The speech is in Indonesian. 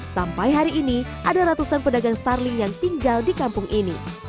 sampai hari ini ada ratusan pedagang starling yang tinggal di kampung ini